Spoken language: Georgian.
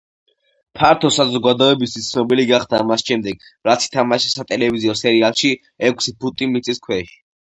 ფართო საზოგადოებისთვის ცნობილი გახდა მას შემდეგ რაც ითამაშა სატელევიზიო სერიალში „ექვსი ფუტი მიწის ქვეშ“.